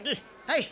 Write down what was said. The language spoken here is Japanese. はい。